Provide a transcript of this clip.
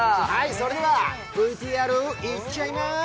それではＶＴＲ行っちゃいま